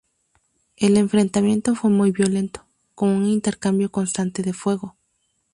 El enfrentamiento fue muy violento, con un intercambio constante de fuego.